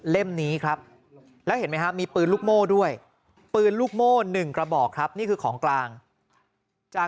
เล่มนี้ครับแล้วเห็นไหมฮะ